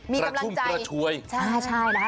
มีกำลังใจ